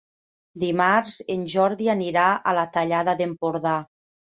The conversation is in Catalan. Dimarts en Jordi anirà a la Tallada d'Empordà.